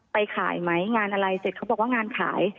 ไปขายไหมงานอะไรเสร็จเขาบอกว่างานขาย